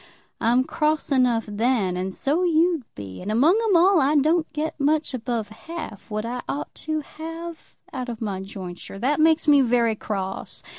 I'm cross enough then, and so you'd be. And, among 'em all, I don't get much above half what I ought to have out of my jointure. That makes me very cross.